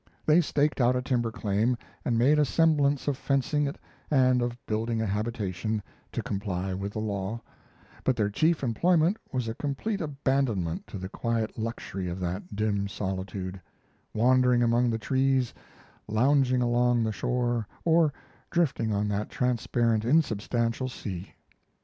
They staked out a timber claim and made a semblance of fencing it and of building a habitation, to comply with the law; but their chief employment was a complete abandonment to the quiet luxury of that dim solitude: wandering among the trees, lounging along the shore, or drifting on that transparent, insubstantial sea.